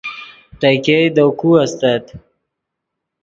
تے ګئے دے کو استت